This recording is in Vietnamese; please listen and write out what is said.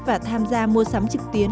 và tham gia mua sắm trực tuyến